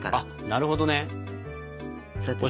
なるほどね。